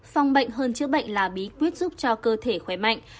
song bệnh hơn chữa bệnh là bí quyết giúp cho cơ thể khỏe mạnh